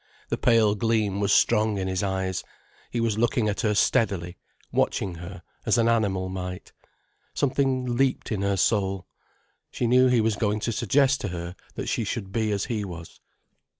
The pale gleam was strong in his eyes, he was looking at her steadily, watching her, as an animal might. Something leaped in her soul. She knew he was going to suggest to her that she should be as he was.